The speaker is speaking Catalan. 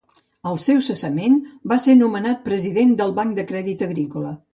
Al seu cessament va ser nomenat President del Banc de Crèdit Agrícola.